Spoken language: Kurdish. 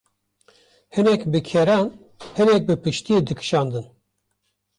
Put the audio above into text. hinek bi keran, hinek bi piştiyê dikşandin.